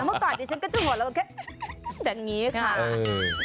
แล้วเมื่อก่อนเนี่ยฉันก็จะหัวเราะแค่แบบนี้ค่ะ